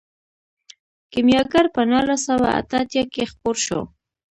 کیمیاګر په نولس سوه اته اتیا کې خپور شو.